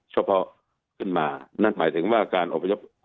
เฉพาะขึ้นมานั่นหมายถึงว่าการอบพยพ